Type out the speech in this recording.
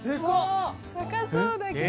高そうだけど。